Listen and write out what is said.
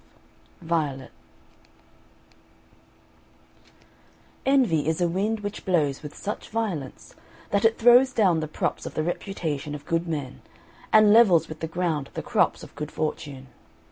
XII VIOLET Envy is a wind which blows with such violence, that it throws down the props of the reputation of good men, and levels with the ground the crops of good fortune.